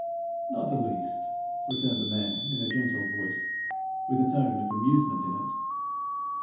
'Not the least,' returned the man, in a gentle voice, with a tone of amusement in it.